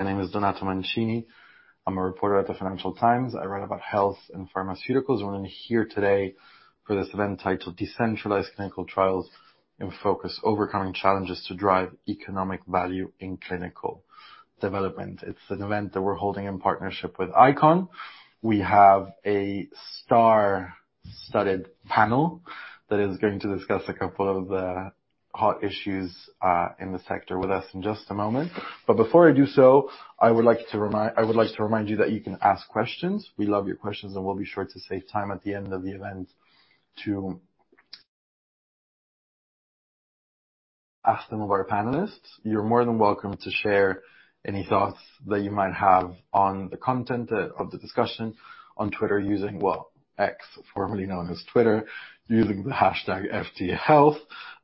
My name is Donato Mancini. I'm a reporter at the Financial Times. I write about health and pharmaceuticals. We're in here today for this event titled Decentralized Clinical Trials in Focus: Overcoming Challenges to Drive Economic Value in Clinical Development. It's an event that we're holding in partnership with ICON. We have a star-studded panel that is going to discuss a couple of the hot issues in the sector with us in just a moment. But before I do so, I would like to remind you that you can ask questions. We love your questions, and we'll be sure to save time at the end of the event to ask some of our panelists. You're more than welcome to share any thoughts that you might have on the content of the discussion on Twitter, using, well, X, formerly known as Twitter, using the hashtag #FTHealth.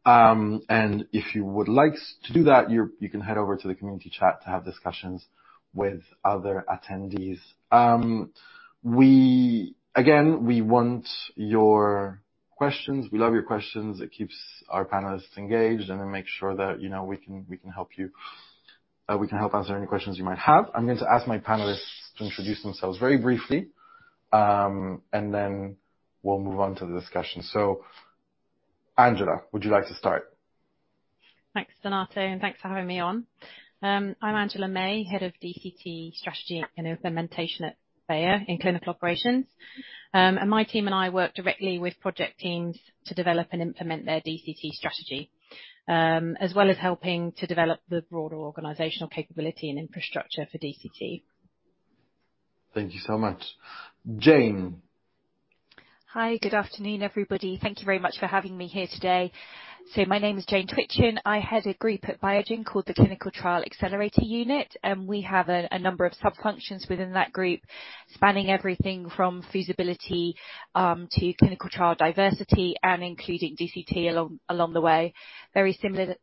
And if you would like to do that, you can head over to the community chat to have discussions with other attendees. Again, we want your questions. We love your questions. It keeps our panelists engaged and then make sure that, you know, we can, we can help you, we can help answer any questions you might have. I'm going to ask my panelists to introduce themselves very briefly, and then we'll move on to the discussion. So, Angela, would you like to start? Thanks, Donato, and thanks for having me on. I'm Angela May, Head of DCT Strategy and Implementation at Bayer in Clinical Operations. My team and I work directly with project teams to develop and implement their DCT strategy, as well as helping to develop the broader organizational capability and infrastructure for DCT. Thank you so much. Jane? Hi, good afternoon, everybody. Thank you very much for having me here today. So my name is Jane Twitchen. I head a group at Biogen called the Clinical Trial Accelerator Unit, and we have a number of sub-functions within that group, spanning everything from feasibility to clinical trial diversity and including DCT along the way. Very similar,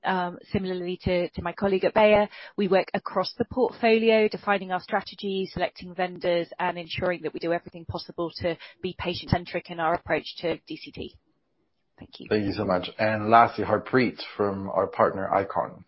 similarly to my colleague at Bayer, we work across the portfolio, defining our strategies, selecting vendors, and ensuring that we do everything possible to be patient-centric in our approach to DCT. Thank you. Thank you so much. And lastly, Harpreet from our partner, ICON.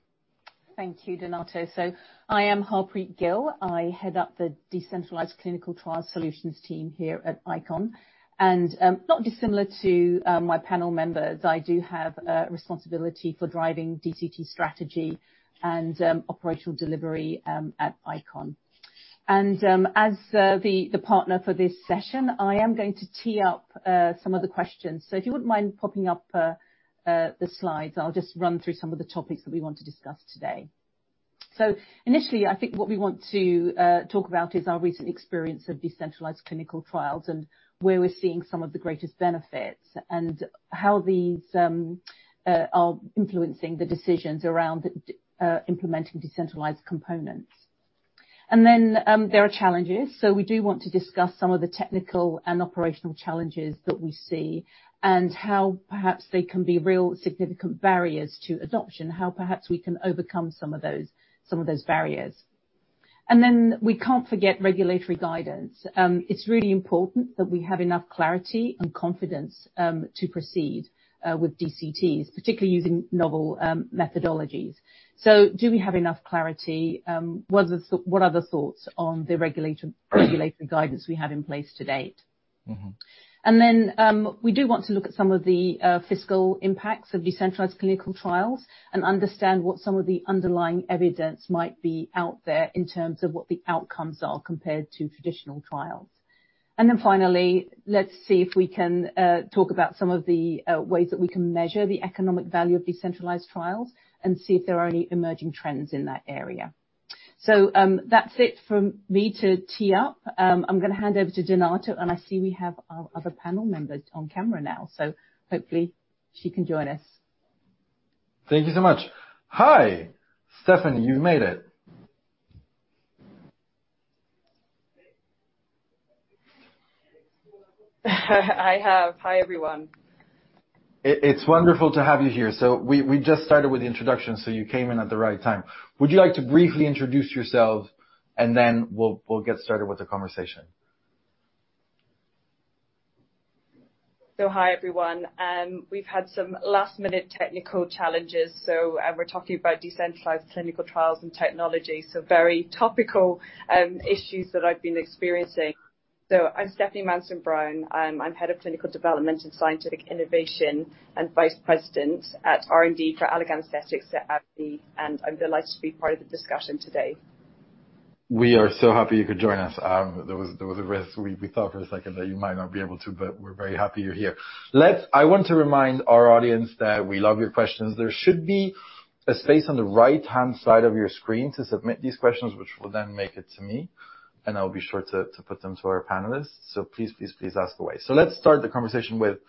Thank you, Donato. So I am Harpreet Gill. I head up the Decentralized Clinical Trials Solutions team here at ICON. And, not dissimilar to, my panel members, I do have, responsibility for driving DCT strategy and, operational delivery, at ICON. And, as the partner for this session, I am going to tee up, some of the questions. So if you wouldn't mind popping up the slides, I'll just run through some of the topics that we want to discuss today. So initially, I think what we want to talk about is our recent experience of decentralized clinical trials and where we're seeing some of the greatest benefits, and how these are influencing the decisions around implementing decentralized components. And then, there are challenges. So we do want to discuss some of the technical and operational challenges that we see and how perhaps they can be real significant barriers to adoption, how perhaps we can overcome some of those barriers. And then we can't forget regulatory guidance. It's really important that we have enough clarity and confidence to proceed with DCTs, particularly using novel methodologies. So do we have enough clarity? What are the thoughts on the regulatory guidance we have in place to date? Mm-hmm. And then, we do want to look at some of the fiscal impacts of decentralized clinical trials and understand what some of the underlying evidence might be out there in terms of what the outcomes are compared to traditional trials. And then finally, let's see if we can talk about some of the ways that we can measure the economic value of these centralized trials and see if there are any emerging trends in that area. So, that's it from me to tee up. I'm going to hand over to Donato, and I see we have our other panel member on camera now, so hopefully she can join us. Thank you so much. Hi, Stephanie. You made it. I have. Hi, everyone. It's wonderful to have you here. So we just started with the introduction, so you came in at the right time. Would you like to briefly introduce yourself, and then we'll get started with the conversation? Hi, everyone. We've had some last-minute technical challenges, so we're talking about decentralized clinical trials and technology, so very topical issues that I've been experiencing. I'm Stephanie Manson Brown. I'm Head of Clinical Development and Scientific Innovation and Vice President at R&D for Allergan Aesthetics at AbbVie, and I'm delighted to be part of the discussion today. We are so happy you could join us. There was, there was a risk. We thought for a second that you might not be able to, but we're very happy you're here. Let's. I want to remind our audience that we love your questions. There should be a space on the right-hand side of your screen to submit these questions, which will then make it to me, and I'll be sure to put them to our panelists. So please, please, please ask away. So let's start the conversation with.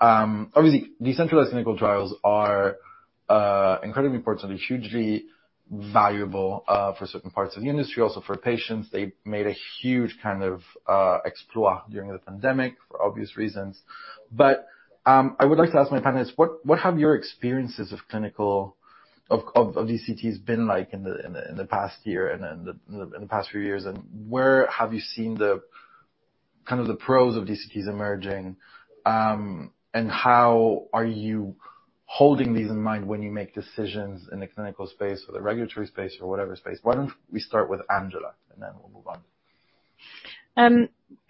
Obviously, decentralized clinical trials are incredibly importantly, hugely valuable for certain parts of the industry, also for patients. They made a huge kind of exploit during the pandemic for obvious reasons. But, I would like to ask my panelists, what have your experiences of clinical DCTs been like in the past year and in the past few years, and where have you seen kind of the pros of DCTs emerging, and how are you holding these in mind when you make decisions in the clinical space or the regulatory space or whatever space? Why don't we start with Angela, and then we'll move on.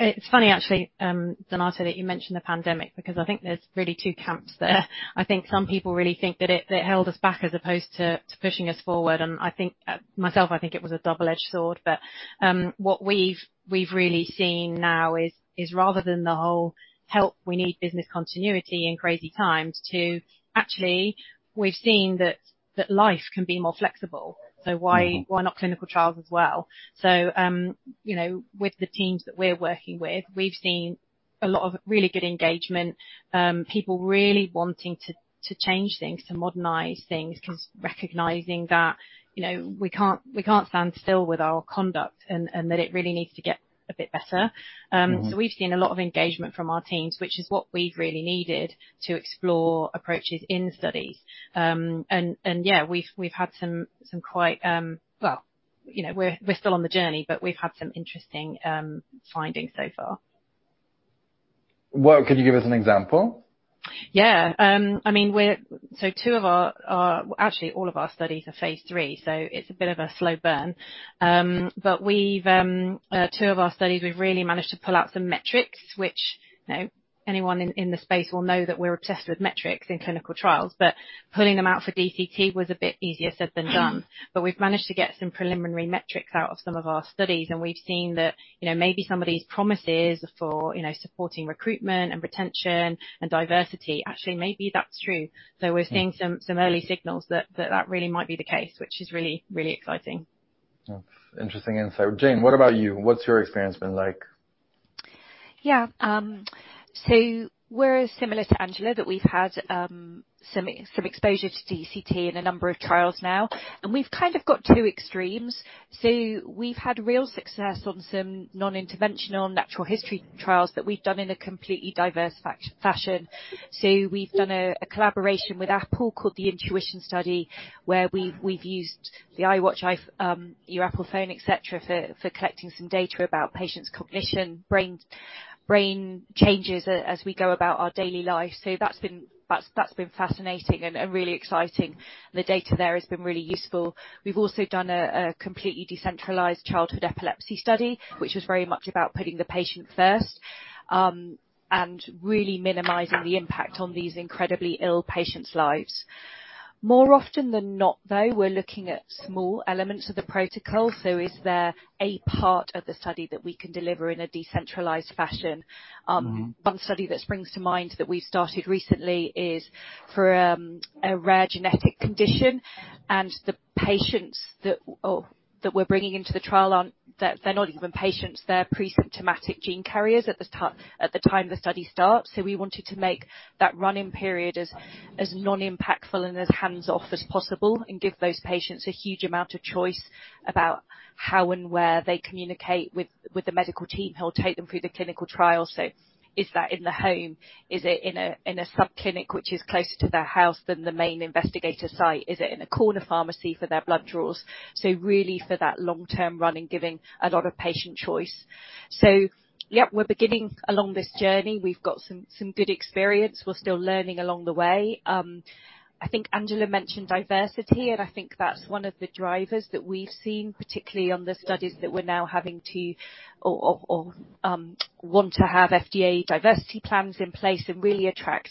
It's funny, actually, Donato, that you mentioned the pandemic, because I think there's really two camps there. I think some people really think that it, it held us back as opposed to, to pushing us forward, and I think, myself, I think it was a double-edged sword. But, what we've, we've really seen now is, is rather than the whole, "Help, we need business continuity in crazy times," to actually, we've seen that, that life can be more flexible. Mm-hmm. So why, why not clinical trials as well? So, you know, with the teams that we're working with, we've seen a lot of really good engagement, people really wanting to change things, to modernize things, 'cause recognizing that, you know, we can't stand still with our conduct, and that it really needs to get a bit better. Mm-hmm. So we've seen a lot of engagement from our teams, which is what we've really needed to explore approaches in studies. Yeah, we've had some quite... Well, you know, we're still on the journey, but we've had some interesting findings so far. Well, could you give us an example? Yeah. I mean, actually, all of our studies are phase 3, so it's a bit of a slow burn. But two of our studies, we've really managed to pull out some metrics, which, you know, anyone in the space will know that we're obsessed with metrics in clinical trials, but pulling them out for DCT was a bit easier said than done. Mm-hmm. But we've managed to get some preliminary metrics out of some of our studies, and we've seen that, you know, maybe some of these promises for, you know, supporting recruitment and retention and diversity, actually, maybe that's true. So we're seeing some early signals that really might be the case, which is really exciting. That's interesting insight. Jane, what about you? What's your experience been like? Yeah. So we're similar to Angela, that we've had some exposure to DCT in a number of trials now, and we've kind of got two extremes. So we've had real success on some non-interventional natural history trials that we've done in a completely diverse fashion. So we've done a collaboration with Apple called the Intuition Study, where we've used the Apple Watch, iPhone, et cetera, for collecting some data about patients' cognition, brain changes as we go about our daily lives. So that's been fascinating and really exciting. The data there has been really useful. We've also done a completely decentralized childhood epilepsy study, which was very much about putting the patient first and really minimizing the impact on these incredibly ill patients' lives. More often than not, though, we're looking at small elements of the protocol, so is there a part of the study that we can deliver in a decentralized fashion? One study that springs to mind that we started recently is for a rare genetic condition, and the patients that we're bringing into the trial aren't. They're not even patients, they're pre-symptomatic gene carriers at the time the study starts. So we wanted to make that run-in period as non-impactful and as hands-off as possible, and give those patients a huge amount of choice about how and where they communicate with the medical team who will take them through the clinical trial. So is that in the home? Is it in a sub clinic, which is closer to their house than the main investigator site? Is it in a corner pharmacy for their blood draws? So really, for that long-term run-in and giving a lot of patient choice. So yeah, we're beginning along this journey. We've got some good experience. We're still learning along the way. I think Angela mentioned diversity, and I think that's one of the drivers that we've seen, particularly on the studies that we're now having to or want to have FDA diversity plans in place and really attract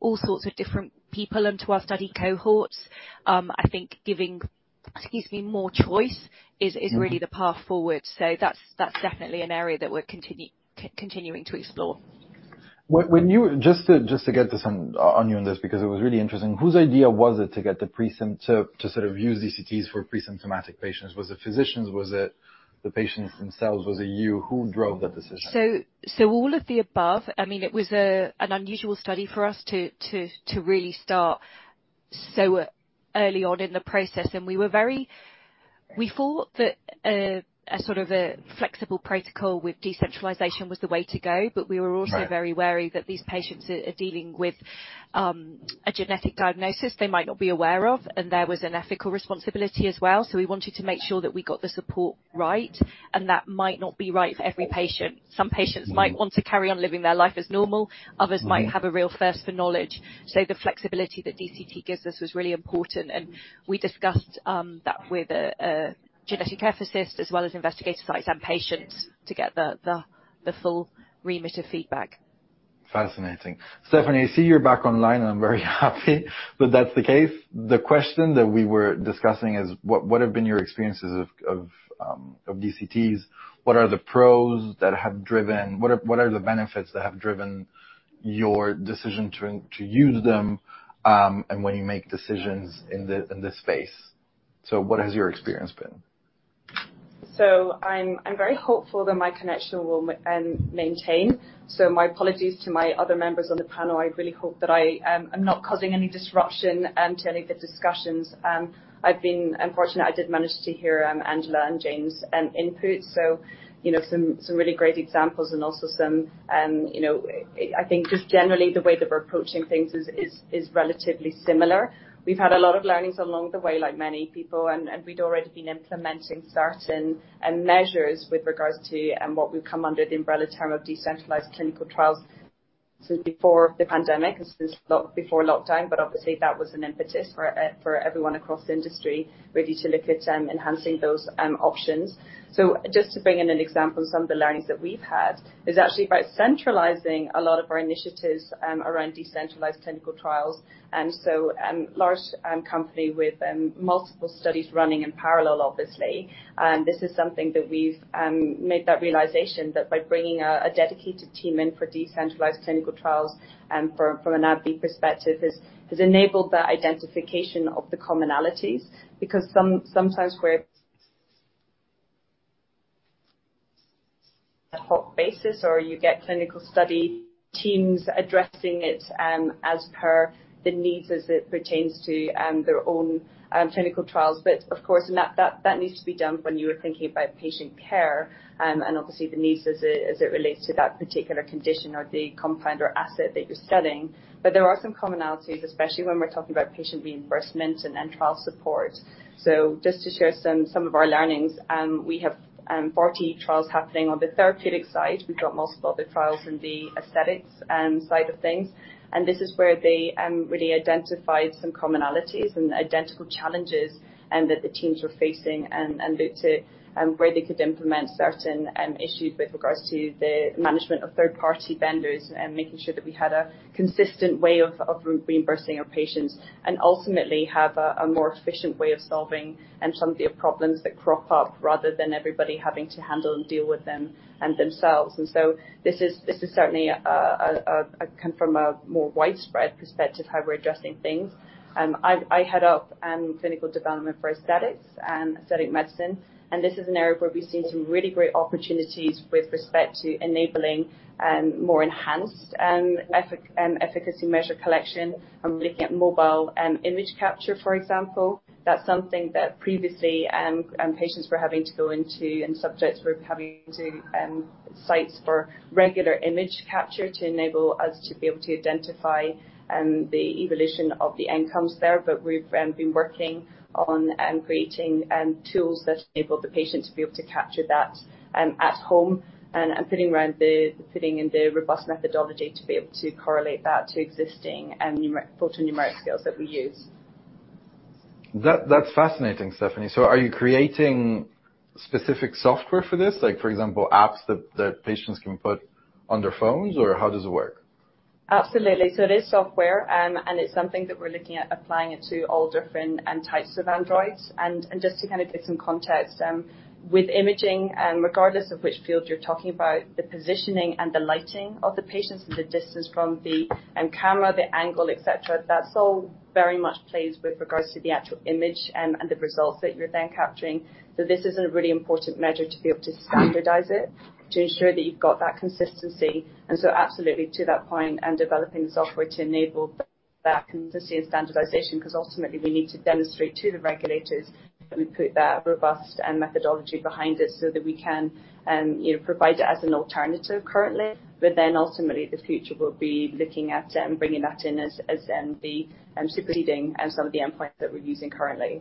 all sorts of different people into our study cohorts. I think giving, excuse me, more choice is, really the path forward. So that's, that's definitely an area that we're continuing to explore. Just to get some input from you on this, because it was really interesting: Whose idea was it to get the pre-symptomatic to sort of use DCTs for pre-symptomatic patients? Was it physicians? Was it the patients themselves? Was it you? Who drove that decision? So, all of the above. I mean, it was an unusual study for us to really start so early on in the process, and we were very. We thought that a sort of a flexible protocol with decentralization was the way to go, but we were also- Right. very wary that these patients are dealing with a genetic diagnosis they might not be aware of, and there was an ethical responsibility as well. So we wanted to make sure that we got the support right, and that might not be right for every patient. Some patients might want to carry on living their life as normal- Others might have a real thirst for knowledge. So the flexibility that DCT gives us was really important, and we discussed that with a genetic ethicist, as well as investigator sites and patients, to get the full remit of feedback. Fascinating. Stephanie, I see you're back online, and I'm very happy that that's the case. The question that we were discussing is: What have been your experiences of DCTs? What are the benefits that have driven your decision to use them, and when you make decisions in this space? What has your experience been? So I'm very hopeful that my connection will maintain. So my apologies to my other members on the panel. I really hope that I'm not causing any disruption to any of the discussions. I've been... I'm fortunate I did manage to hear Angela and Jane's input, so, you know, some really great examples and also some, you know, I think just generally the way that we're approaching things is relatively similar. We've had a lot of learnings along the way, like many people, and we'd already been implementing certain measures with regards to what would come under the umbrella term of decentralized clinical trials.... So before the pandemic, this was locked before lockdown, but obviously, that was an impetus for everyone across the industry, really, to look at enhancing those options. So just to bring in an example, some of the learnings that we've had is actually by centralizing a lot of our initiatives around decentralized clinical trials, and so large company with multiple studies running in parallel, obviously. And this is something that we've made that realization, that by bringing a dedicated team in for decentralized clinical trials and from an AbbVie perspective, has enabled that identification of the commonalities. Because sometimes where ad hoc basis, or you get clinical study teams addressing it as per the needs as it pertains to their own clinical trials. But of course, and that, that needs to be done when you are thinking about patient care, and obviously the needs as it, as it relates to that particular condition or the compound or asset that you're studying. But there are some commonalities, especially when we're talking about patient reimbursement and, and trial support. So just to share some, some of our learnings, we have, 40 trials happening on the therapeutic side. We've got multiple other trials in the aesthetics side of things. And this is where they really identified some commonalities and identical challenges that the teams were facing and looked at where they could implement certain issues with regards to the management of third-party vendors, and making sure that we had a consistent way of reimbursing our patients, and ultimately have a more efficient way of solving some of the problems that crop up, rather than everybody having to handle and deal with them themselves. And so this is certainly, from a more widespread perspective, how we're addressing things. I head up clinical development for aesthetics and aesthetic medicine, and this is an area where we've seen some really great opportunities with respect to enabling more enhanced efficacy measure collection. I'm looking at mobile image capture, for example. That's something that previously patients were having to go into, and subjects were having to sites for regular image capture to enable us to be able to identify the evolution of the outcomes there. But we've been working on creating tools that enable the patient to be able to capture that at home and putting in the robust methodology to be able to correlate that to existing photonumeric scales that we use. That's fascinating, Stephanie. So are you creating specific software for this? Like, for example, apps that patients can put on their phones, or how does it work? Absolutely. So it is software, and it's something that we're looking at applying it to all different types of Androids. And just to kind of give some context, with imaging, regardless of which field you're talking about, the positioning and the lighting of the patients, and the distance from the camera, the angle, et cetera, that all very much plays with regards to the actual image and the results that you're then capturing. So this is a really important measure to be able to standardize it, to ensure that you've got that consistency. And so absolutely, to that point, and developing the software to enable that consistency and standardization, 'cause ultimately, we need to demonstrate to the regulators that we put that robust and methodology behind it so that we can, you know, provide it as an alternative currently. But then ultimately, the future will be looking at bringing that in as then the superseding some of the endpoints that we're using currently.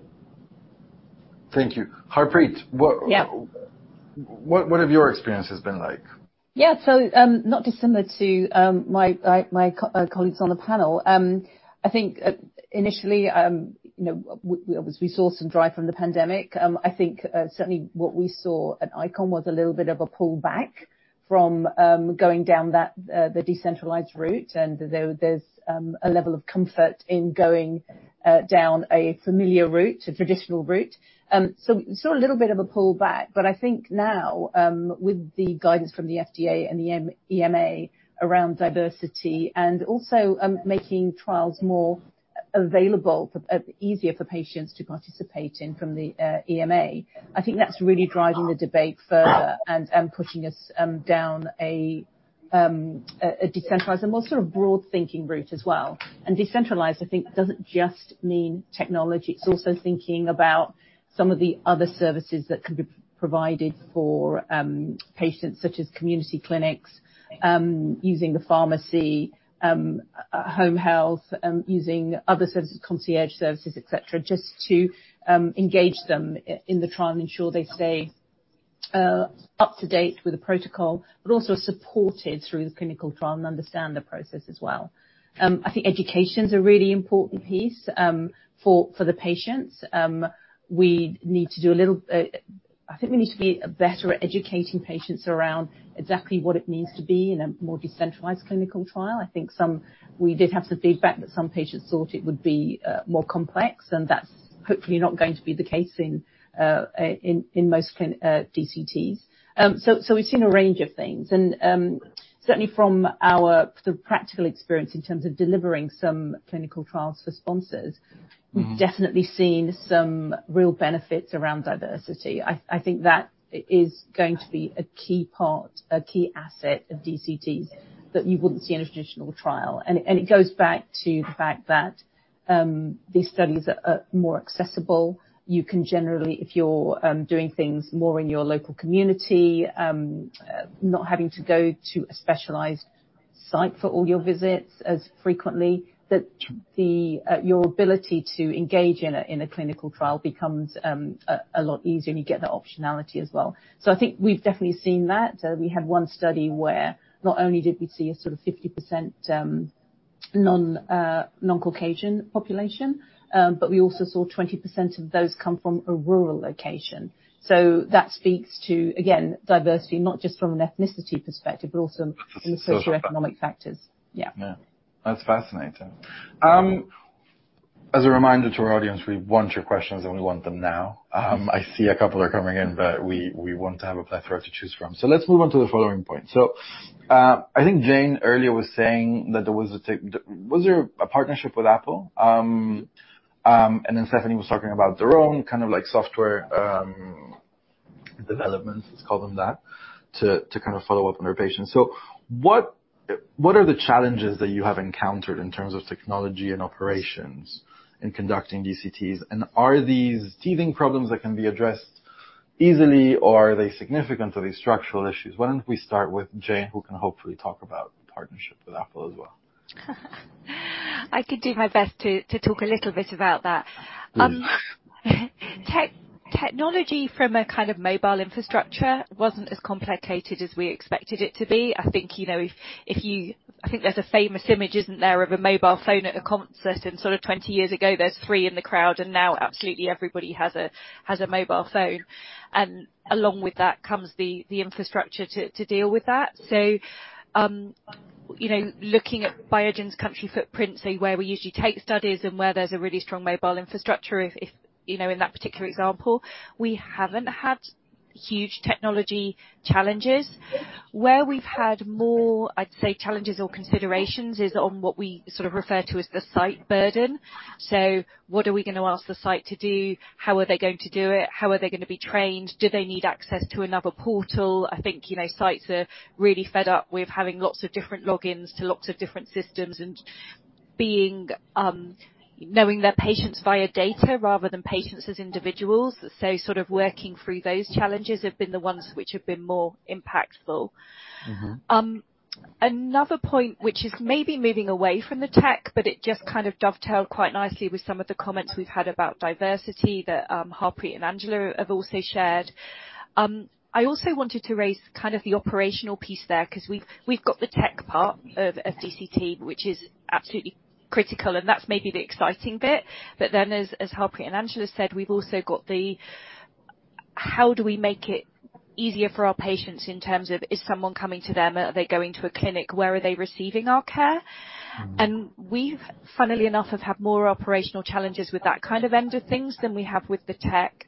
Thank you. Harpreet, what- Yeah. What have your experiences been like? Yeah. So, not dissimilar to my colleagues on the panel. I think initially, you know, we obviously saw some drive from the pandemic. I think certainly what we saw at ICON was a little bit of a pullback from going down the decentralized route, and there's a level of comfort in going down a familiar route, a traditional route. So, a little bit of a pullback, but I think now, with the guidance from the FDA and the EMA around diversity and also making trials more available, easier for patients to participate in from the EMA, I think that's really driving the debate further and pushing us down a decentralized and more sort of broad thinking route as well. Decentralized, I think, doesn't just mean technology. It's also thinking about some of the other services that could be provided for patients, such as community clinics, using the pharmacy, home health, using other services, concierge services, et cetera, just to engage them in the trial and ensure they stay up to date with the protocol, but also supported through the clinical trial and understand the process as well. I think education's a really important piece for the patients. I think we need to be better at educating patients around exactly what it means to be in a more decentralized clinical trial. I think some. We did have some feedback that some patients thought it would be more complex, and that's hopefully not going to be the case in most DCTs. So we've seen a range of things, and certainly from our sort of practical experience in terms of delivering some clinical trials for sponsors- -we've definitely seen some real benefits around diversity. I think that is going to be a key part, a key asset of DCTs that you wouldn't see in a traditional trial. And it goes back to the fact that these studies are more accessible. You can generally, if you're doing things more in your local community, not having to go to a specialized site for all your visits as frequently, that your ability to engage in a clinical trial becomes a lot easier, and you get that optionality as well. So I think we've definitely seen that. We had one study where not only did we see a sort of 50%, non-Caucasian population, but we also saw 20% of those come from a rural location. So that speaks to, again, diversity, not just from an ethnicity perspective, but also from socioeconomic factors. Yeah. Yeah. That's fascinating. As a reminder to our audience, we want your questions, and we want them now. I see a couple are coming in, but we want to have a plethora to choose from. So let's move on to the following point. So, I think Jane earlier was saying that there was a partnership with Apple? And then Stephanie was talking about their own kind of like software developments, let's call them that, to kind of follow up on their patients. So what are the challenges that you have encountered in terms of technology and operations in conducting DCTs? And are these teething problems that can be addressed easily, or are they significant, are these structural issues? Why don't we start with Jane, who can hopefully talk about the partnership with Apple as well? I could do my best to talk a little bit about that. Technology from a kind of mobile infrastructure wasn't as complicated as we expected it to be. I think, you know, if you-- I think there's a famous image, isn't there, of a mobile phone at a concert, and sort of 20 years ago, there's 3 in the crowd, and now absolutely everybody has a, has a mobile phone. And along with that comes the infrastructure to deal with that. So, you know, looking at Biogen's country footprint, so where we usually take studies and where there's a really strong mobile infrastructure, if you know, in that particular example, we haven't had huge technology challenges. Where we've had more, I'd say, challenges or considerations, is on what we sort of refer to as the site burden. So what are we gonna ask the site to do? How are they going to do it? How are they gonna be trained? Do they need access to another portal? I think, you know, sites are really fed up with having lots of different logins to lots of different systems and being knowing their patients via data rather than patients as individuals. So sort of working through those challenges have been the ones which have been more impactful. Another point, which is maybe moving away from the tech, but it just kind of dovetailed quite nicely with some of the comments we've had about diversity that Harpreet and Angela have also shared. I also wanted to raise kind of the operational piece there, 'cause we've got the tech part of DCT, which is absolutely critical, and that's maybe the exciting bit. But then, as Harpreet and Angela said, we've also got the how do we make it easier for our patients in terms of, is someone coming to them? Are they going to a clinic? Where are they receiving our care? We've, funnily enough, have had more operational challenges with that kind of end of things than we have with the tech.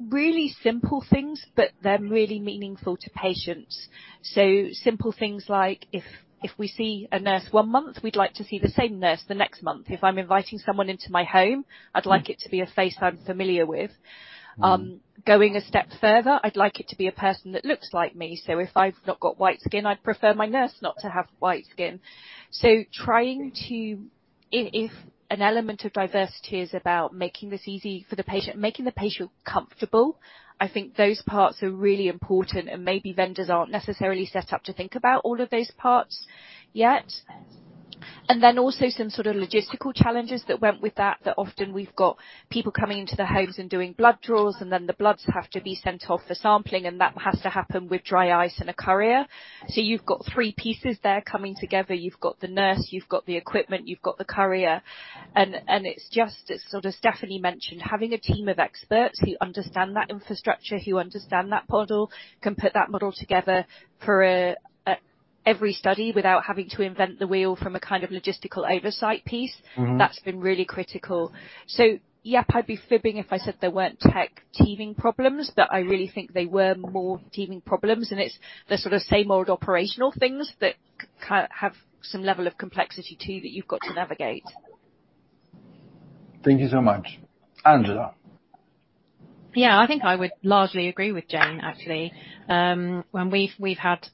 Really simple things, but they're really meaningful to patients. Simple things like, if we see a nurse one month, we'd like to see the same nurse the next month. If I'm inviting someone into my home, I'd like it to be a face I'm familiar with. Going a step further, I'd like it to be a person that looks like me. So if I've not got white skin, I'd prefer my nurse not to have white skin. So if an element of diversity is about making this easy for the patient, making the patient comfortable, I think those parts are really important, and maybe vendors aren't necessarily set up to think about all of those parts yet. And then also some sort of logistical challenges that went with that, that often we've got people coming into the homes and doing blood draws, and then the bloods have to be sent off for sampling, and that has to happen with dry ice and a courier. So you've got three pieces there coming together. You've got the nurse, you've got the equipment, you've got the courier, and it's just, as sort of Stephanie mentioned, having a team of experts who understand that infrastructure, who understand that model, can put that model together for every study without having to invent the wheel from a kind of logistical oversight piece. That's been really critical. So yep, I'd be fibbing if I said there weren't tech teething problems, but I really think they were more teething problems, and it's the sort of same old operational things that have some level of complexity, too, that you've got to navigate. Thank you so much. Angela? Yeah, I think I would largely agree with Jane, actually. When we've had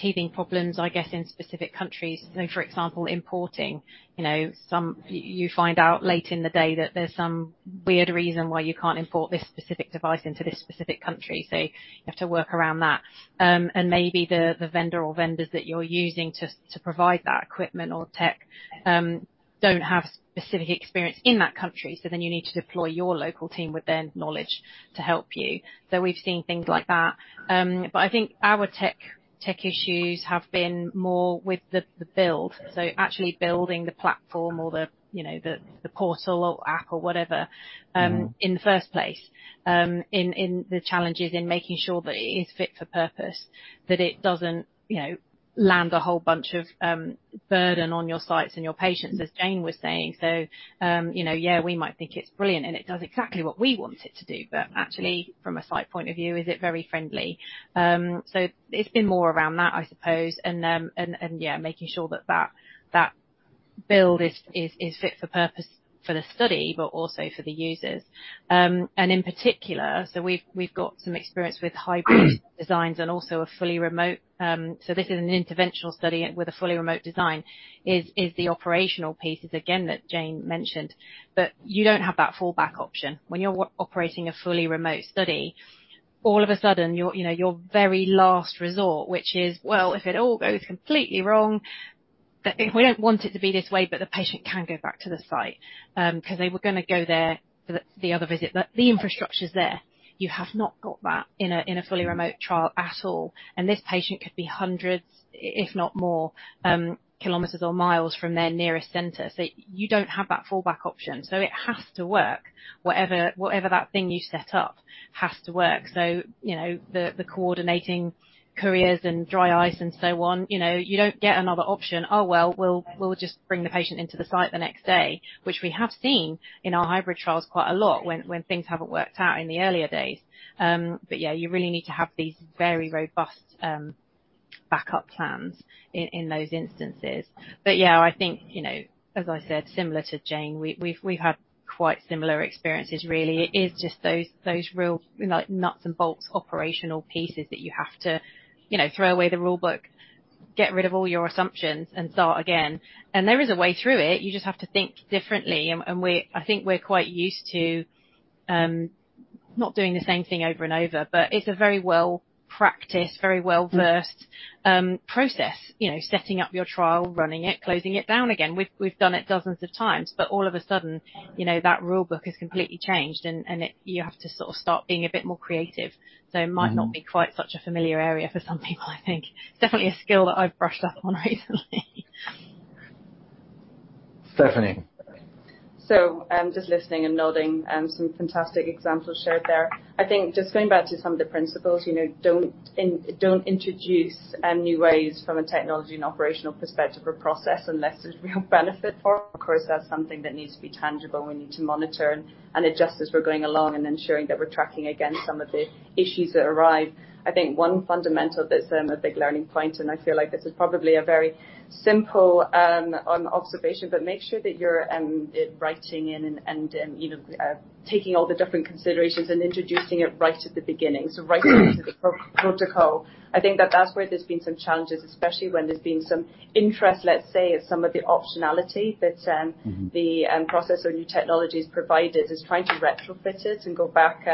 teething problems, I guess, in specific countries, you know, for example, importing, you know, some... You find out late in the day that there's some weird reason why you can't import this specific device into this specific country, so you have to work around that. And maybe the vendor or vendors that you're using to provide that equipment or tech don't have specific experience in that country, so then you need to deploy your local team with their knowledge to help you. So we've seen things like that. But I think our tech issues have been more with the build, so actually building the platform or the, you know, the portal or app or whatever- in the first place. In the challenges in making sure that it is fit for purpose, that it doesn't, you know, land a whole bunch of burden on your sites and your patients, as Jane was saying. So, you know, yeah, we might think it's brilliant, and it does exactly what we want it to do, but actually, from a site point of view, is it very friendly? So it's been more around that, I suppose, and yeah, making sure that that build is fit for purpose for the study, but also for the users. And in particular, so we've got some experience with hybrid designs and also a fully remote. So this is an interventional study with a fully remote design, is the operational pieces, again, that Jane mentioned, but you don't have that fallback option. When you're operating a fully remote study, all of a sudden, your, you know, your very last resort, which is, well, if it all goes completely wrong, we don't want it to be this way, but the patient can go back to the site, 'cause they were going to go there for the other visit. But the infrastructure is there. You have not got that in a fully remote trial at all, and this patient could be hundreds, if not more, kilometers or miles from their nearest center. So you don't have that fallback option. So it has to work. Whatever that thing you set up has to work. So, you know, the coordinating couriers and dry ice and so on, you know, you don't get another option. Oh, well, we'll just bring the patient into the site the next day, which we have seen in our hybrid trials quite a lot when things haven't worked out in the earlier days. But, yeah, you really need to have these very robust backup plans in those instances. But, yeah, I think, you know, as I said, similar to Jane, we've had quite similar experiences, really. It is just those real, like, nuts and bolts operational pieces that you have to, you know, throw away the rule book, get rid of all your assumptions, and start again. There is a way through it. You just have to think differently, and we... I think we're quite used to not doing the same thing over and over, but it's a very well-practiced, very well-versed process, you know, setting up your trial, running it, closing it down again. We've done it dozens of times, but all of a sudden, you know, that rule book has completely changed, and it you have to sort of start being a bit more creative. It might not be quite such a familiar area for some people, I think. Definitely a skill that I've brushed up on recently. Stephanie? So I'm just listening and nodding. Some fantastic examples shared there. I think just going back to some of the principles, you know, don't introduce new ways from a technology and operational perspective or process unless there's real benefit for it. Of course, that's something that needs to be tangible. We need to monitor and adjust as we're going along and ensuring that we're tracking against some of the issues that arrive. I think one fundamental that's a big learning point, and I feel like this is probably a very simple observation, but make sure that you're writing in and you know taking all the different considerations and introducing it right at the beginning, so right into the protocol. I think that that's where there's been some challenges, especially when there's been some interest, let's say, in some of the optionality that, the process or new technologies provided is trying to retrofit it and go back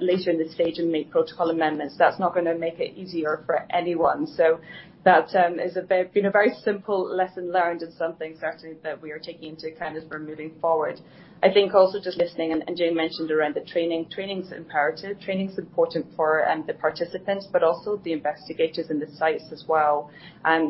later in the stage and make protocol amendments. That's not going to make it easier for anyone. So that is a very simple lesson learned and something certainly that we are taking into account as we're moving forward. I think also just listening, and Jane mentioned around the training, training is imperative. Training is important for the participants, but also the investigators and the sites as well.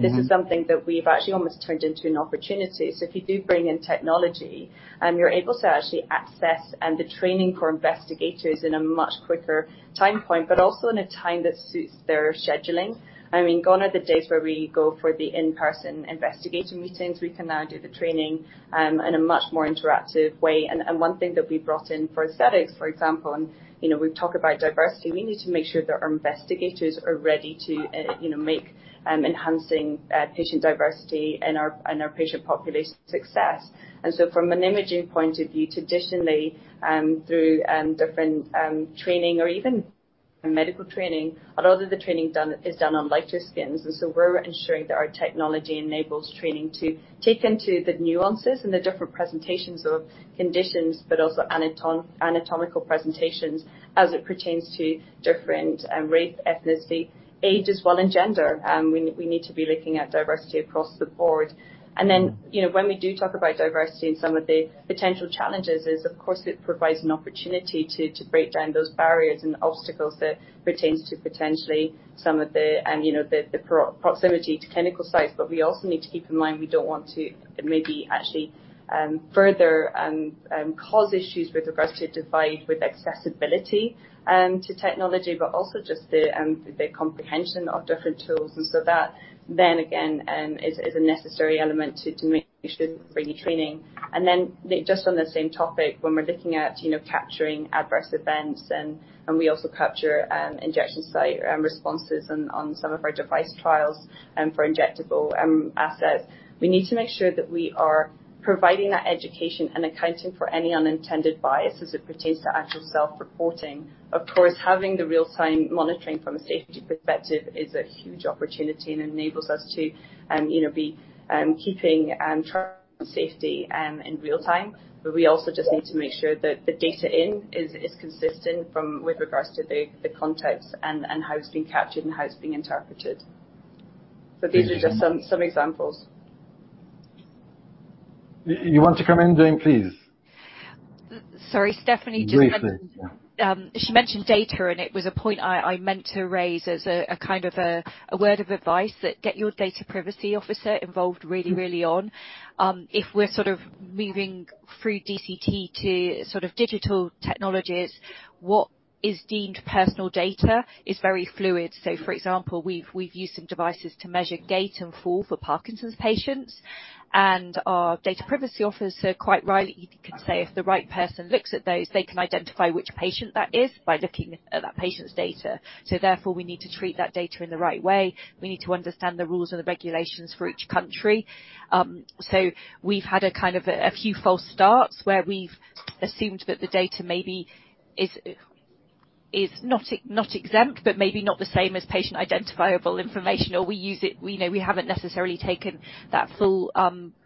This is something that we've actually almost turned into an opportunity. So if you do bring in technology, you're able to actually access and the training for investigators in a much quicker time point, but also in a time that suits their scheduling. I mean, gone are the days where we go for the in-person investigating meetings. We can now do the training in a much more interactive way. And one thing that we brought in for aesthetics, for example, you know, we've talked about diversity. We need to make sure that our investigators are ready to, you know, make enhancing patient diversity in our, in our patient population success. From an imaging point of view, traditionally, through different training or even medical training, a lot of the training done is done on lighter skins, and so we're ensuring that our technology enables training to take into the nuances and the different presentations of conditions, but also anatomical presentations as it pertains to different race, ethnicity, age as well, and gender. We need to be looking at diversity across the board. You know, when we do talk about diversity and some of the potential challenges is, of course, it provides an opportunity to break down those barriers and obstacles that pertains to potentially some of the, you know, the proximity to clinical sites. But we also need to keep in mind, we don't want to maybe actually further cause issues with regards to divide, with accessibility to technology, but also just the comprehension of different tools. And so that, then again, is a necessary element to make sure we bring the training. And then, just on the same topic, when we're looking at, you know, capturing adverse events, and we also capture injection site responses on some of our device trials for injectable assets, we need to make sure that we are providing that education and accounting for any unintended bias as it pertains to actual self-reporting. Of course, having the real-time monitoring from a safety perspective is a huge opportunity and enables us to, you know, be keeping track safety in real time. But we also just need to make sure that the data in is consistent with regards to the context and how it's being captured and how it's being interpreted. So these are just some examples. You want to come in, Jane, please. Sorry, Stephanie- Briefly, yeah. She mentioned data, and it was a point I meant to raise as a kind of a word of advice, that get your data privacy officer involved really, really early on. If we're sort of moving through DCT to sort of digital technologies, what is deemed personal data is very fluid. So, for example, we've used some devices to measure gait and fall for Parkinson's patients, and our data privacy officer, quite rightly, you could say, if the right person looks at those, they can identify which patient that is by looking at that patient's data. So therefore, we need to treat that data in the right way. We need to understand the rules and the regulations for each country. So we've had a kind of a few false starts where we've assumed that the data maybe is-... is not, not exempt, but maybe not the same as patient-identifiable information, or we use it. We know we haven't necessarily taken that full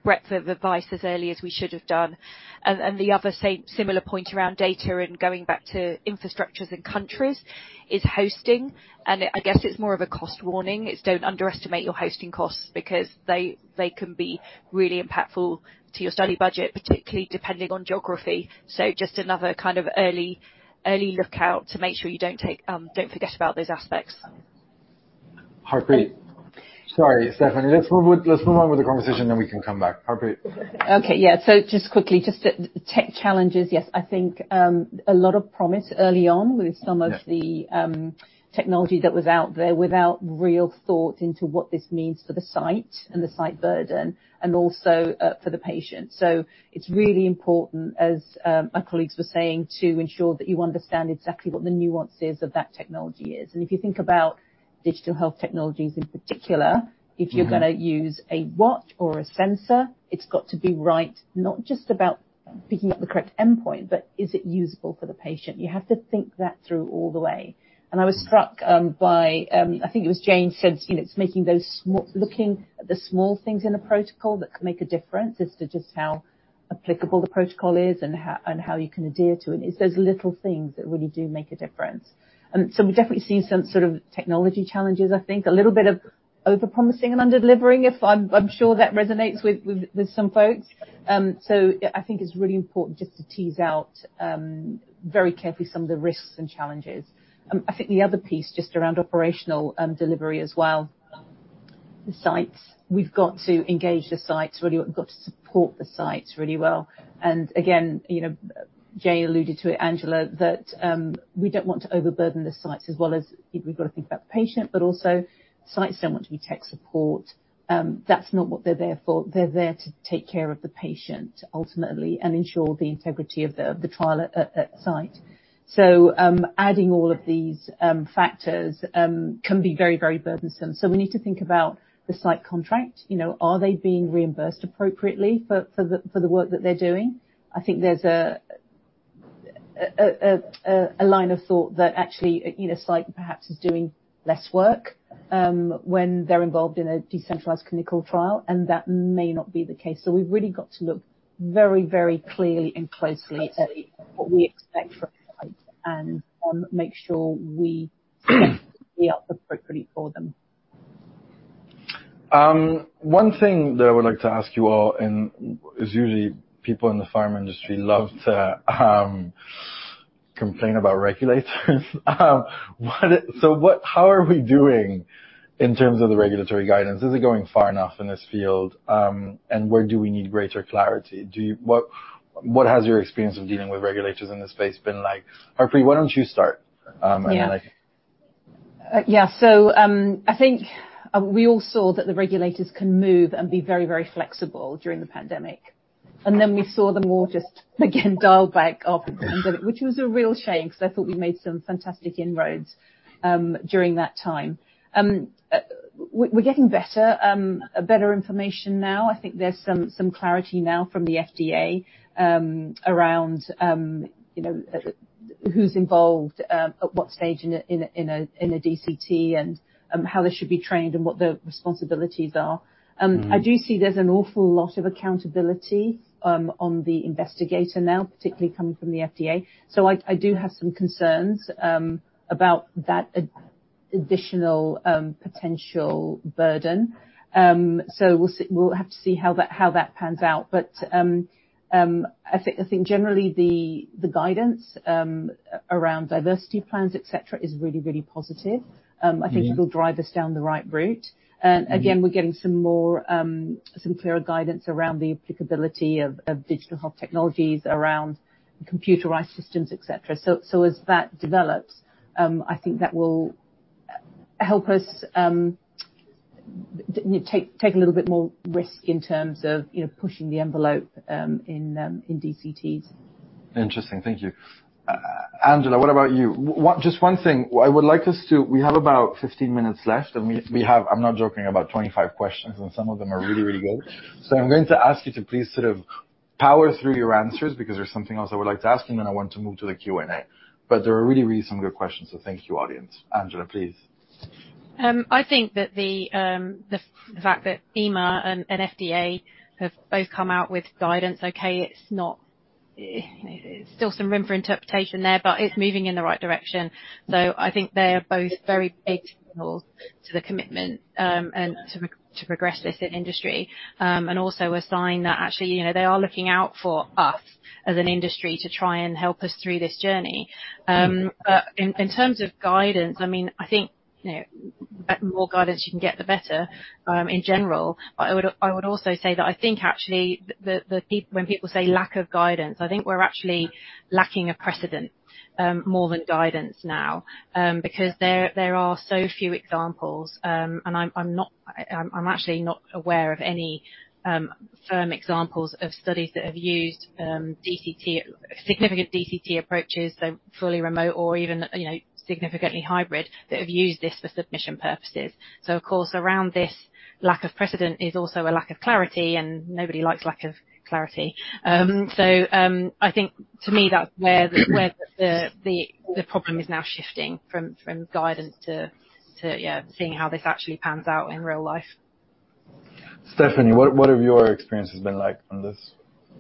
breadth of advice as early as we should have done. And the other same similar point around data, going back to infrastructures and countries, is hosting, and I guess it's more of a cost warning. It's. Don't underestimate your hosting costs because they can be really impactful to your study budget, particularly depending on geography. So just another kind of early lookout to make sure you don't forget about those aspects. Harpreet? Sorry, Stephanie. Let's move on with the conversation, then we can come back. Harpreet. Okay. Yeah. So just quickly, just to tech challenges. Yes, I think, a lot of promise early on with some of the- Yeah. technology that was out there without real thought into what this means for the site and the site burden and also, for the patient. So it's really important, as my colleagues were saying, to ensure that you understand exactly what the nuances of that technology is. And if you think about digital health technologies in particular- If you're gonna use a watch or a sensor, it's got to be right, not just about picking up the correct endpoint, but is it usable for the patient? You have to think that through all the way. I was struck by, I think it was Jane said, you know, it's making those small... looking at the small things in a protocol that could make a difference as to just how applicable the protocol is and how, and how you can adhere to it. It's those little things that really do make a difference. And so we've definitely seen some sort of technology challenges, I think. A little bit of over-promising and under-delivering, if I'm sure that resonates with some folks. So I think it's really important just to tease out very carefully some of the risks and challenges. I think the other piece, just around operational delivery as well, the sites. We've got to engage the sites, really, we've got to support the sites really well. And again, you know, Jane alluded to it, Angela, that we don't want to overburden the sites as well as we've got to think about the patient, but also, sites don't want to be tech support. That's not what they're there for. They're there to take care of the patient, ultimately, and ensure the integrity of the trial at site. So, adding all of these factors can be very, very burdensome. So we need to think about the site contract. You know, are they being reimbursed appropriately for the work that they're doing? I think there's a line of thought that actually, you know, site perhaps is doing less work when they're involved in a decentralized clinical trial, and that may not be the case. So we've really got to look very, very clearly and closely at what we expect from a site and make sure we set it up appropriately for them. One thing that I would like to ask you all, and as usually, people in the pharma industry love to complain about regulators. What, so what- how are we doing in terms of the regulatory guidance? Is it going far enough in this field? And where do we need greater clarity? Do you... What, what has your experience of dealing with regulators in this space been like? Harpreet, why don't you start, and then I- Yeah. Yeah. So, I think we all saw that the regulators can move and be very, very flexible during the pandemic. Then we saw them all just, again, dial back up, which was a real shame because I thought we made some fantastic inroads during that time. We're getting better information now. I think there's some clarity now from the FDA around, you know, who's involved at what stage in a DCT, and how they should be trained and what their responsibilities are. I do see there's an awful lot of accountability on the investigator now, particularly coming from the FDA. So I do have some concerns about that additional potential burden. So we'll see, we'll have to see how that pans out. But I think generally the guidance around diversity plans, et cetera, is really, really positive. I think it will drive us down the right route. And again, we're getting some more, some clearer guidance around the applicability of digital health technologies, around computerized systems, et cetera. So as that develops, I think that will help us take a little bit more risk in terms of, you know, pushing the envelope in DCTs. Interesting. Thank you. Angela, what about you? Oh, just one thing. I would like us to... We have about 15 minutes left, and we, we have, I'm not joking, about 25 questions, and some of them are really, really good. So I'm going to ask you to please sort of power through your answers because there's something else I would like to ask you, then I want to move to the Q&A. But there are really, really some good questions, so thank you, audience. Angela, please. I think that the fact that EMA and FDA have both come out with guidance. Okay, it's not. There's still some room for interpretation there, but it's moving in the right direction. So I think they are both very big signals to the commitment and to progress this in industry. And also a sign that actually, you know, they are looking out for us as an industry to try and help us through this journey. In terms of guidance, I mean, I think, you know, the more guidance you can get, the better, in general. But I would also say that I think, actually, when people say lack of guidance, I think we're actually lacking a precedent more than guidance now. Because there are so few examples, and I'm actually not aware of any firm examples of studies that have used DCT, significant DCT approaches, so fully remote or even, you know, significantly hybrid, that have used this for submission purposes. So of course, around this lack of precedent is also a lack of clarity, and nobody likes lack of clarity. So, I think- to me, that's where the problem is now shifting from guidance to, yeah, seeing how this actually pans out in real life. Stephanie, what have your experiences been like on this?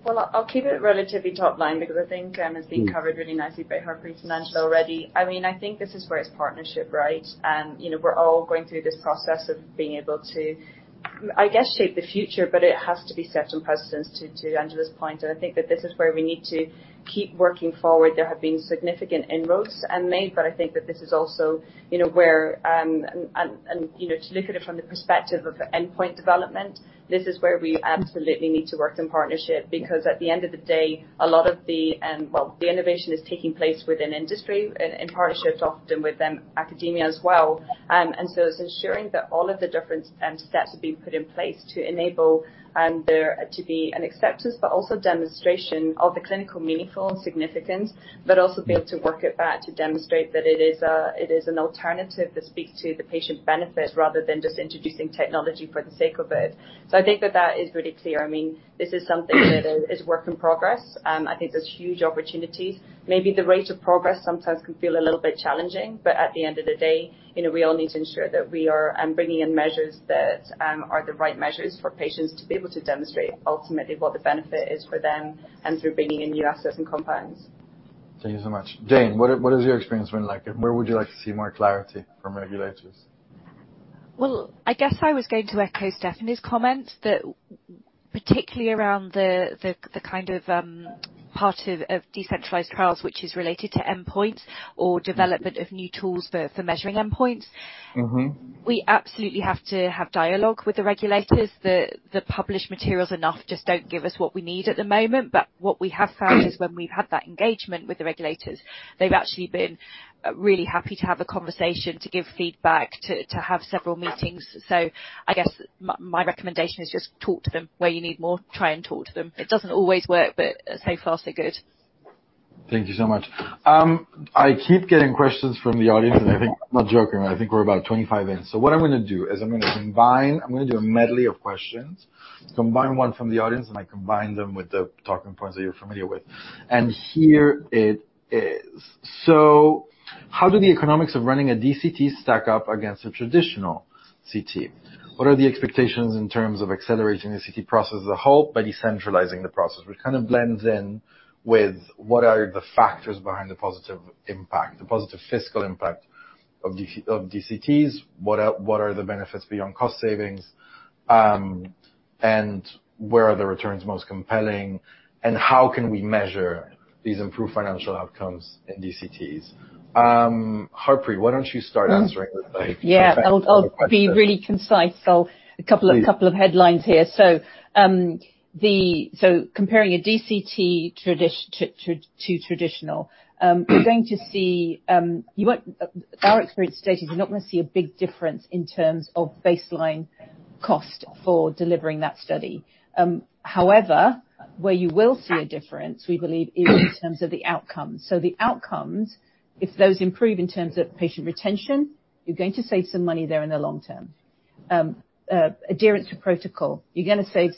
Well, I, I'll keep it relatively top line because I think, it's been covered really nicely by Harpreet and Angela already. I mean, I think this is where it's partnership, right? And, you know, we're all going through this process of being able to, I guess, shape the future, but it has to be set in precedence, to, to Angela's point. And I think that this is where we need to keep working forward. There have been significant inroads made, but I think that this is also, you know, where, and, and, you know, to look at it from the perspective of the endpoint development, this is where we absolutely need to work in partnership. Because at the end of the day, a lot of the..well, the innovation is taking place within industry and, and partnerships, often with them, academia as well. It's ensuring that all of the different sets are being put in place to enable there to be an acceptance, but also demonstration of the clinical meaningful and significance. But also being able to work it back to demonstrate that it is, it is an alternative that speaks to the patient benefit, rather than just introducing technology for the sake of it. So I think that that is really clear. I mean, this is something that is, is work in progress. I think there's huge opportunities. Maybe the rate of progress sometimes can feel a little bit challenging, but at the end of the day, you know, we all need to ensure that we are bringing in measures that are the right measures for patients to be able to demonstrate ultimately what the benefit is for them and through bringing in new assets and compounds. Thank you so much. Jane, what has your experience been like, and where would you like to see more clarity from regulators? Well, I guess I was going to echo Stephanie's comment, that particularly around the kind of part of decentralized trials, which is related to endpoints or development of new tools for measuring endpoints. We absolutely have to have dialogue with the regulators. The published materials enough just don't give us what we need at the moment. But what we have found is when we've had that engagement with the regulators, they've actually been really happy to have a conversation, to give feedback, to have several meetings. So I guess my recommendation is just talk to them. Where you need more, try and talk to them. It doesn't always work, but so far, so good. Thank you so much. I keep getting questions from the audience, and I think, I'm not joking, I think we're about 25 in. So what I'm gonna do is I'm gonna combine... I'm gonna do a medley of questions. Combine one from the audience, and I combine them with the talking points that you're familiar with. And here it is: So how do the economics of running a DCT stack up against a traditional CT? What are the expectations in terms of accelerating the CT process as a whole by decentralizing the process, which kind of blends in with what are the factors behind the positive impact, the positive fiscal impact of DCTs? What are the benefits beyond cost savings? And where are the returns most compelling, and how can we measure these improved financial outcomes in DCTs? Harpreet, why don't you start answering with like- Yeah. I'll be really concise. So a couple of- Please. Couple of headlines here. So, comparing a DCT to traditional, our experience to date is you're not gonna see a big difference in terms of baseline cost for delivering that study. However, where you will see a difference, we believe, is in terms of the outcomes. So the outcomes, if those improve in terms of patient retention, you're going to save some money there in the long term. Adherence to protocol, you're gonna save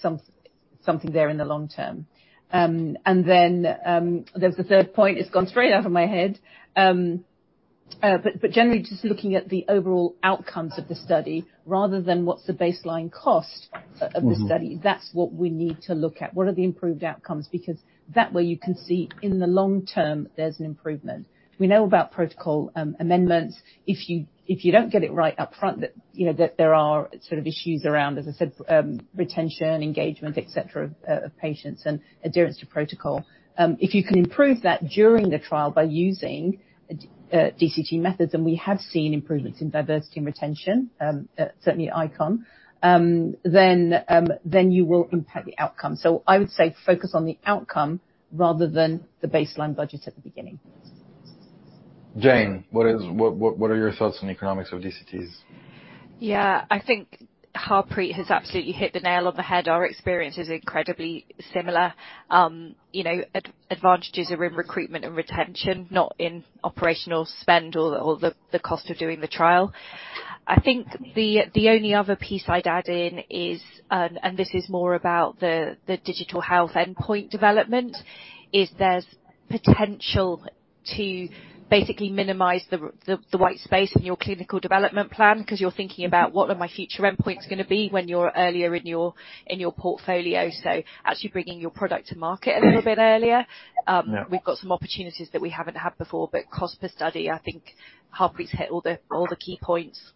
something there in the long term. And then, there was a third point, it's gone straight out of my head. But generally just looking at the overall outcomes of the study rather than what's the baseline cost of the study. That's what we need to look at. What are the improved outcomes? Because that way you can see in the long term there's an improvement. We know about protocol amendments. If you, if you don't get it right up front, that, you know, that there are sort of issues around, as I said, retention, engagement, et cetera, of patients and adherence to protocol. If you can improve that during the trial by using DCT methods, and we have seen improvements in diversity and retention, certainly at ICON, then you will impact the outcome. So I would say focus on the outcome rather than the baseline budget at the beginning. Jane, what are your thoughts on the economics of DCTs? Yeah. I think Harpreet has absolutely hit the nail on the head. Our experience is incredibly similar. You know, advantages are in recruitment and retention, not in operational spend or the cost of doing the trial. I think the only other piece I'd add in is, and this is more about the digital health endpoint development, is there's potential to basically minimize the white space in your clinical development plan, 'cause you're thinking about what are my future endpoints gonna be when you're earlier in your portfolio. So actually bringing your product to market a little bit earlier. Yeah. We've got some opportunities that we haven't had before, but cost per study, I think Harpreet's hit all the key points.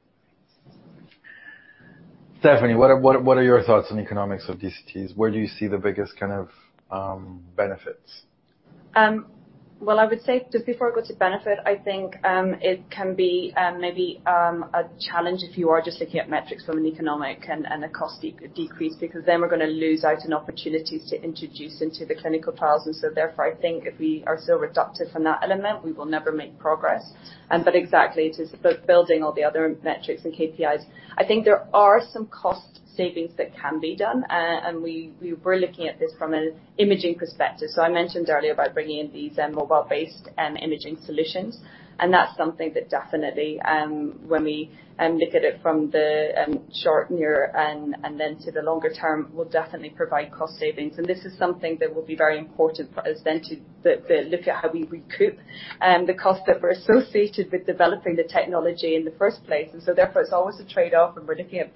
Stephanie, what are your thoughts on the economics of DCTs? Where do you see the biggest kind of benefits? Well, I would say, just before I go to benefit, I think, it can be, maybe, a challenge if you are just looking at metrics from an economic and, and a cost decrease, because then we're gonna lose out on opportunities to introduce into the clinical trials. And so therefore, I think if we are so reductive on that element, we will never make progress. But exactly, it is building all the other metrics and KPIs. I think there are some cost savings that can be done, and we're looking at this from an imaging perspective. So I mentioned earlier about bringing in these, mobile-based, imaging solutions, and that's something that definitely, when we look at it from the, short near and, and then to the longer term, will definitely provide cost savings. And this is something that will be very important for us then to look at how we recoup the cost that we're associated with developing the technology in the first place. And so therefore, it's always a trade-off, and we're looking at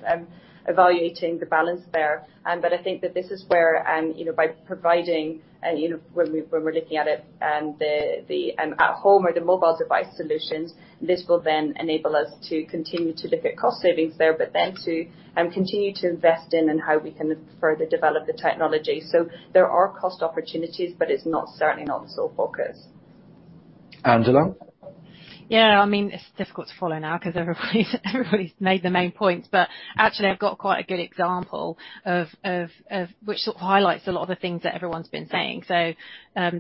evaluating the balance there. But I think that this is where you know, by providing you know, when we when we're looking at it at home or the mobile device solutions, this will then enable us to continue to look at cost savings there, but then to continue to invest in and how we can further develop the technology. So there are cost opportunities, but it's not certainly not the sole focus. Angela? Yeah. I mean, it's difficult to follow now 'cause everybody, everybody's made the main points, but actually I've got quite a good example of which sort of highlights a lot of the things that everyone's been saying. So,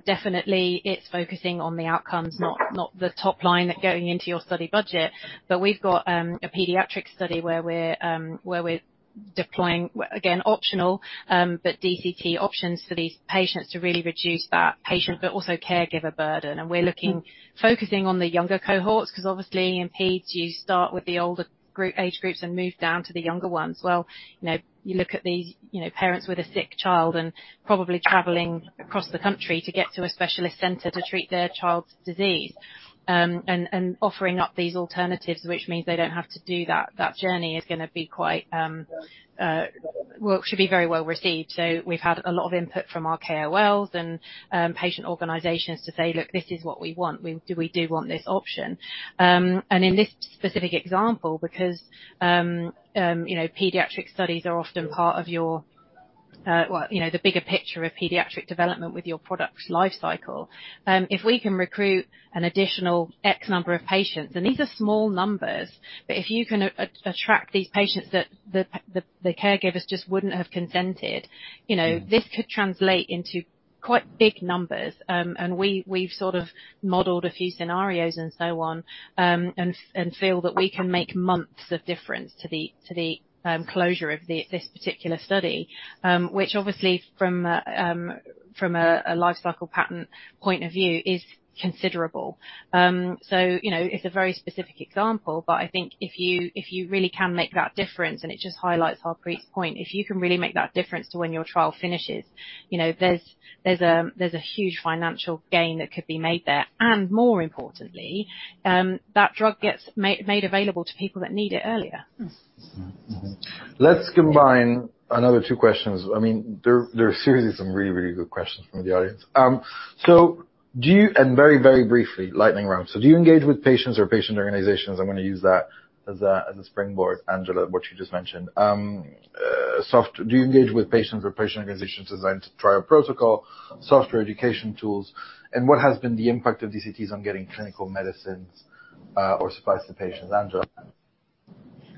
definitely, it's focusing on the outcomes, not, not the top line going into your study budget. But we've got a pediatric study where we're deploying, well, again, optional, but DCT options for these patients to really reduce that patient, but also caregiver burden. And we're looking, focusing on the younger cohorts, 'cause obviously in Peds, you start with the older age groups and move down to the younger ones. Well, you know, you look at these, you know, parents with a sick child and probably traveling across the country to get to a specialist center to treat their child's disease. And offering up these alternatives, which means they don't have to do that, that journey is gonna be quite, well, it should be very well-received. So we've had a lot of input from our KOLs and patient organizations to say, "Look, this is what we want. We do want this option." And in this specific example, because, you know, pediatric studies are often part of your, well, you know, the bigger picture of pediatric development with your product's life cycle. If we can recruit an additional X number of patients, and these are small numbers, but if you can attract these patients that the caregivers just wouldn't have consented, you know, this could translate into quite big numbers. And we've sort of modeled a few scenarios and so on, and feel that we can make months of difference to the closure of this particular study, which obviously from a life cycle pattern point of view is considerable. So you know, it's a very specific example, but I think if you really can make that difference, and it just highlights Harpreet's point, if you can really make that difference to when your trial finishes, you know, there's a huge financial gain that could be made there. And more importantly, that drug gets made available to people that need it earlier. Let's combine another two questions. I mean, there are seriously some really, really good questions from the audience. So do you... Very, very briefly, lightning round. So do you engage with patients or patient organizations? I'm gonna use that as a springboard, Angela, what you just mentioned. Software—do you engage with patients or patient organizations designed to trial protocol, software education tools, and what has been the impact of DCTs on getting clinical medicines or supplies to patients? Angela.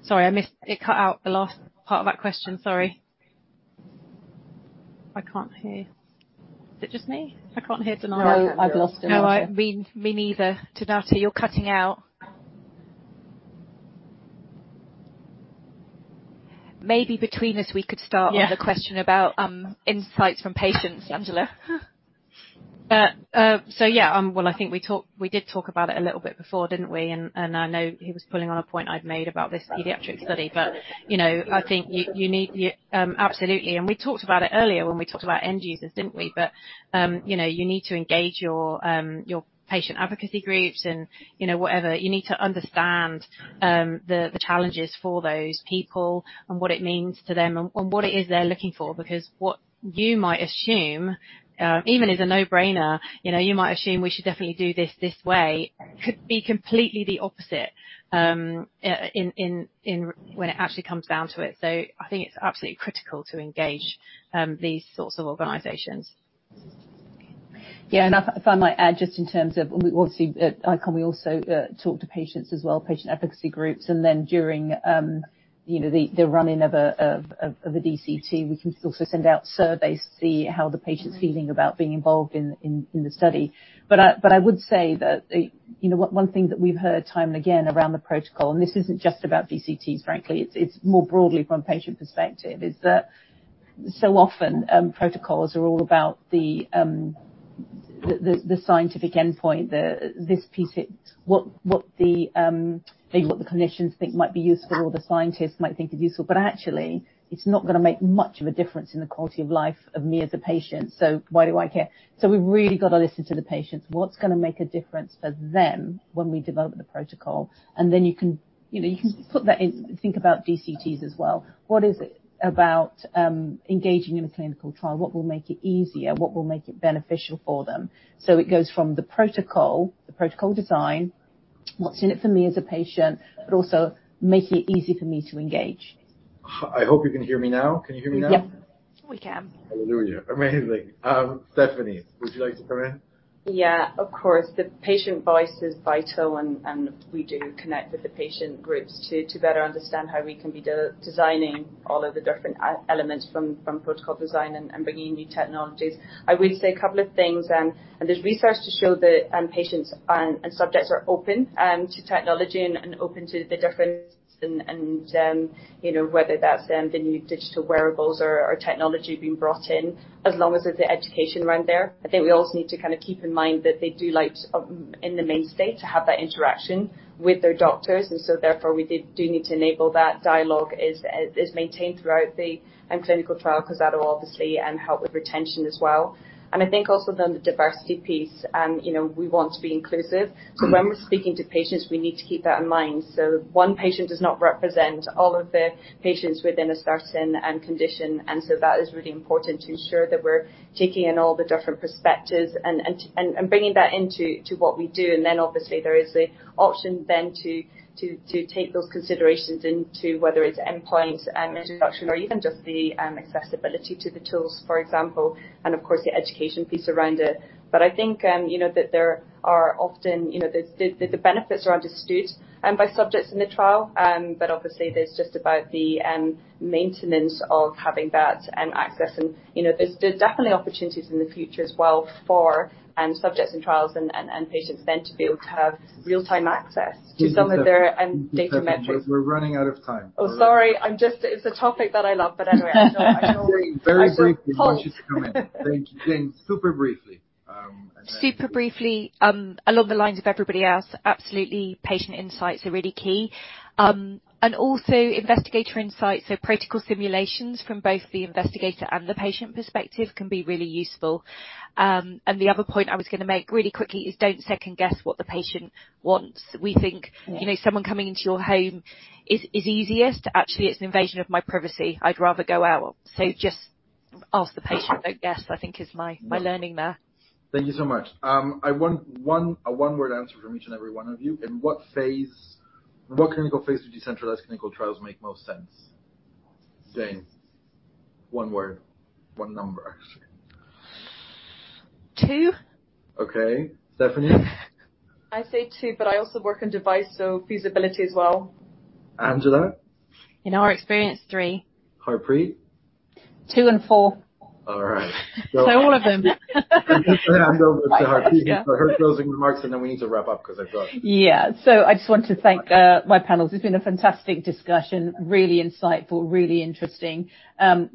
Sorry, I missed it. It cut out the last part of that question. Sorry. I can't hear. Is it just me? I can't hear Donato. No, I've lost him too. No, me, me neither. Donato, you're cutting out. Maybe between us, we could start- Yeah. on the question about insights from patients, Angela. So yeah, well, I think we talked, we did talk about it a little bit before, didn't we? And I know he was pulling on a point I'd made about this pediatric study. But, you know, I think you need absolutely. And we talked about it earlier when we talked about end users, didn't we? But, you know, you need to engage your patient advocacy groups and, you know, whatever. You need to understand the challenges for those people and what it means to them and what it is they're looking for. Because what you might assume, even as a no-brainer, you know, you might assume we should definitely do this this way, could be completely the opposite, in when it actually comes down to it. I think it's absolutely critical to engage these sorts of organizations. Yeah, and if I might add, just in terms of... We obviously at ICON, we also talk to patients as well, patient advocacy groups, and then during you know, the running of a DCT, we can also send out surveys to see how the patient's feeling about being involved in the study. But I would say that, you know, one thing that we've heard time and again around the protocol, and this isn't just about DCTs, frankly, it's more broadly from a patient perspective, is that so often protocols are all about the scientific endpoint, what the clinicians think might be useful or the scientists might think is useful, but actually, it's not gonna make much of a difference in the quality of life of me as a patient, so why do I care? So we've really got to listen to the patients. What's gonna make a difference for them when we develop the protocol? And then you can, you know, you can put that in, think about DCTs as well. What is it about engaging in a clinical trial? What will make it easier? What will make it beneficial for them? So it goes from the protocol, the protocol design, what's in it for me as a patient, but also making it easy for me to engage. I hope you can hear me now. Can you hear me now? Yeah. We can. Hallelujah. Amazing. Stephanie, would you like to come in? Yeah, of course. The patient voice is vital, and we do connect with the patient groups to better understand how we can be designing all of the different elements from protocol design and bringing new technologies. I will say a couple of things, and there's research to show that patients and subjects are open to technology and open to the difference, you know, whether that's the new digital wearables or technology being brought in, as long as there's an education around there. I think we also need to kind of keep in mind that they do like in the mainstream to have that interaction with their doctors, and so therefore we do need to enable that dialogue is maintained throughout the clinical trial, 'cause that will obviously help with retention as well. And I think also then the diversity piece, and you know, we want to be inclusive. So when we're speaking to patients, we need to keep that in mind. So one patient does not represent all of the patients within a certain condition, and so that is really important to ensure that we're taking in all the different perspectives and bringing that into what we do. And then, obviously, there is the option then to take those considerations into whether it's endpoint introduction or even just the accessibility to the tools, for example, and of course, the education piece around it. But I think, you know, that there are often... You know, the benefits are understood by subjects in the trial, but obviously, there's just about the maintenance of having that access. And, you know, there's definitely opportunities in the future as well for subjects and trials and patients then to be able to have real-time access to some of their data metrics. We're running out of time. Oh, sorry. I'm just... It's a topic that I love, but anyway, I know, I know- Very briefly, I want you to come in. Thank you. Jane, super briefly, and then- Super briefly, along the lines of everybody else, absolutely, patient insights are really key. And also investigator insights, so practical simulations from both the investigator and the patient perspective can be really useful. And the other point I was gonna make really quickly is don't second-guess what the patient wants. We think- Yeah. you know, someone coming into your home is easiest. Actually, it's an invasion of my privacy. I'd rather go out. So just ask the patient, I guess, I think is my learning there. Thank you so much. I want one, a one-word answer from each and every one of you. In what clinical phase do decentralized clinical trials make most sense? Jane. One word, one number, actually. Two. Okay. Stephanie? I say two, but I also work in device, so feasibility as well. Angela? In our experience, Three. Harpreet? Two and Four. All right. All of them. I'm going to hand over to Harpreet for her closing remarks, and then we need to wrap up because I've got- Yeah. So I just want to thank my panelists. It's been a fantastic discussion, really insightful, really interesting. Some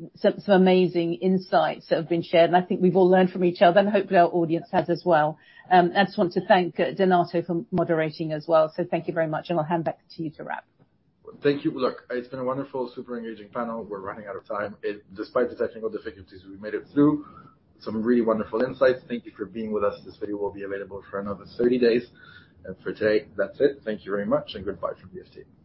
amazing insights that have been shared, and I think we've all learned from each other, and hopefully, our audience has as well. I just want to thank Donato for moderating as well. So thank you very much, and I'll hand back to you to wrap. Thank you. Look, it's been a wonderful, super engaging panel. We're running out of time. Despite the technical difficulties, we made it through. Some really wonderful insights. Thank you for being with us. This video will be available for another 30 days. For today, that's it. Thank you very much, and goodbye from BST.